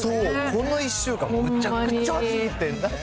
この１週間むちゃくちゃ暑くて、なんか。